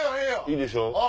いいでしょ。